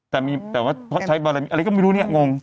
แต่ว่าใช้บารมีอะไรก็ไม่รู้นี่งง